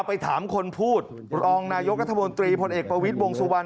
ไปถามคนพูดรองนายกรัฐมนตรีพลเอกประวิทย์วงสุวรรณ